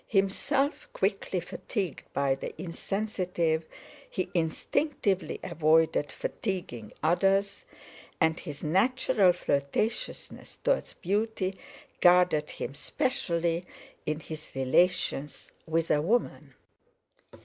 Himself quickly fatigued by the insensitive, he instinctively avoided fatiguing others, and his natural flirtatiousness towards beauty guarded him specially in his relations with a woman.